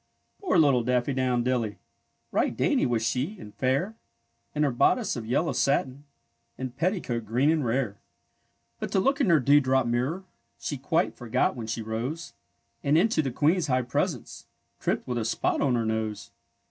Poor little Daffy do wn dilly! Eight dainty was she, and fair. In her bodice of yellow satin. And petticoat green and rare. 22 DAFFY DOWN DILLY 23 But to look in her dew drop mirror, She quite forgot when she rose, And into the queen's high presence Tripped with a spot on her nose.